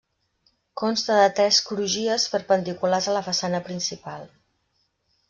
Consta de tres crugies perpendiculars a la façana principal.